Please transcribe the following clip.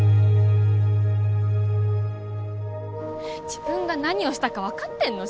自分が何をしたか分かってんの？